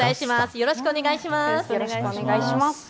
よろしくお願いします。